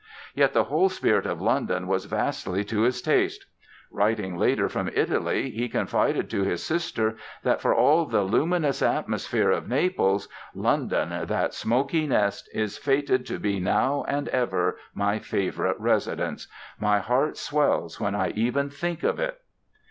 Yet the whole spirit of London was vastly to his taste. Writing later from Italy he confided to his sister that, for all the luminous atmosphere of Naples, "London, that smoky nest, is fated to be now and ever my favorite residence. My heart swells when I even think of it"!